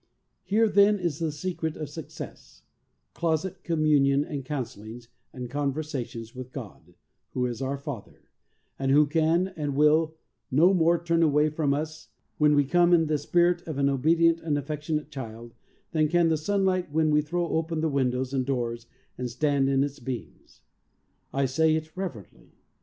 Here, then, is the secret of success — »closet communion and counse(lings and conversations with God, who is our Father, and who can and will no more turn away from us when we come in the spirit of an obedient and affectionate child, than can the sunlight when we throw open the windows and doors and stand in its beams. I say it reverently.